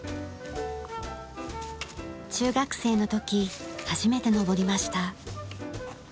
中学生の時初めて登りました。